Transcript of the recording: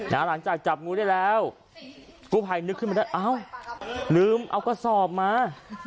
หลังจากจับงูได้แล้วกู้ภัยนึกขึ้นมาได้อ้าวลืมเอากระสอบมา